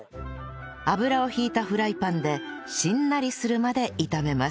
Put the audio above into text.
油を引いたフライパンでしんなりするまで炒めます